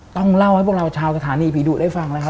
ต้องเล่าให้พวกเราชาวสถานีผีดุได้ฟังนะครับ